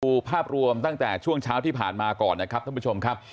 ดูภาพรวมตั้งแต่ช่วงเช้าที่ผ่านมาก่อนนะครับท่านผู้ชมครับ